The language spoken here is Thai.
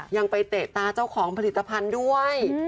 ยังไปเตะตาเจ้าของผลิตภัณฑ์ด้วย